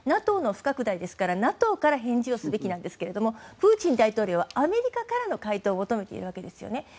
ＮＡＴＯの不拡大ですからＮＡＴＯから返事をすべきですがプーチン大統領はアメリカからの回答を求めているわけですよね。